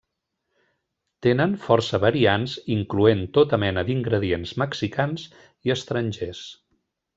Tenen força variants incloent tota mena d'ingredients mexicans i estrangers.